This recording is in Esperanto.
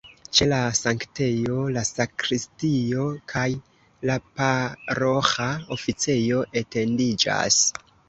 Ĉe la sanktejo la sakristio kaj la paroĥa oficejo etendiĝas.